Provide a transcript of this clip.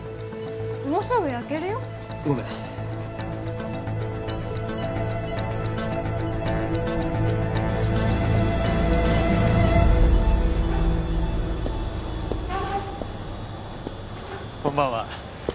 もうすぐ焼けるよごめんこんばんは